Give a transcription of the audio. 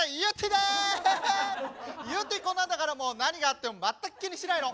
ゆってぃこんなんだからもう何があっても全く気にしないの。